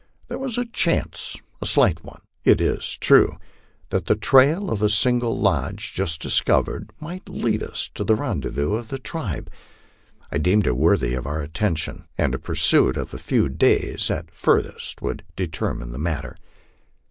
There was a chance a slight one, it is true that the trail of the single lodge just discovered might lead us to the rendezvous of the tribe. I deemed it worthy of our attention, and a pursuit of a few days at furthest would deter mine the matter.